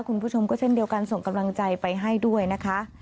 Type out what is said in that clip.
คุณผู้ชมก็เช่นเดียวกันส่งกำลังใจไปให้ด้วยนะคะ